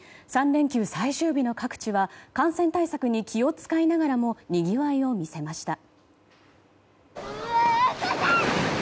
３連休最終日の各地は感染対策に気を使いながらもにぎわいを見せました。